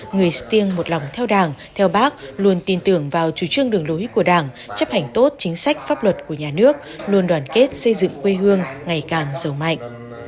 người stiêng một lòng theo đảng theo bác luôn tin tưởng vào chủ trương đường lối của đảng chấp hành tốt chính sách pháp luật của nhà nước luôn đoàn kết xây dựng quê hương ngày càng sầu mạnh